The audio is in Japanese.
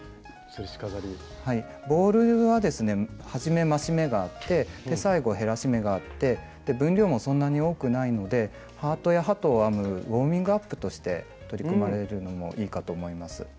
ボールはですね初め増し目があって最後減らし目があって分量もそんなに多くないのでハートや鳩を編むウォーミングアップとして取り組まれるのもいいかと思います。